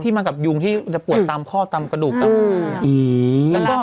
มากับยุงที่จะปวดตามข้อตามกระดูกตาม